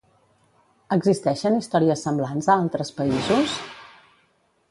Existeixen històries semblants a altres països?